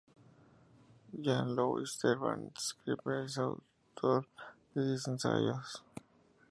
Jean-Louis Servan-Schreiber es autor de diez ensayos.